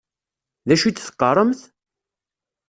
D acu i d-teqqaṛemt?